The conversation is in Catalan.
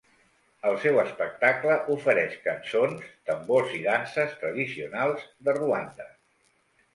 El seu espectacle ofereix cançons, tambors i danses tradicionals de Ruanda.